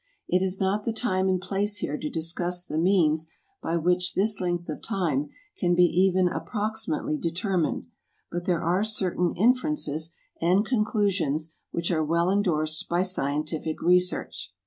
It is not the time and place here to discuss the means by which this length of time can be even approximately determined, but there are certain inferences and conclusions which are well endorsed by scientific research.